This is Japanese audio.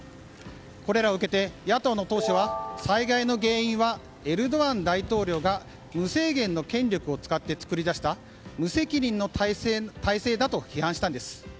これらを受けて野党の党首は災害の原因はエルドアン大統領が無制限の権力を使って作り出した無責任の体制だと批判したんです。